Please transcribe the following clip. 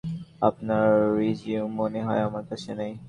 আপনার রিজিউম মনে হয় আমার কাছে নেই।